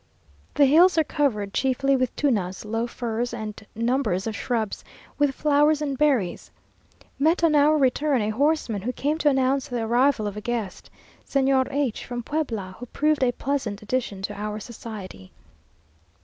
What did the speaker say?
The hills are covered chiefly with tunas, low firs, and numbers of shrubs, with flowers and berries.... Met on our return a horseman who came to announce the arrival of a guest, Señor H , from Puebla, who proved a pleasant addition to our society.